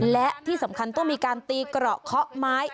และที่สำคัญต้องมีการตีเกราะเคาะไม้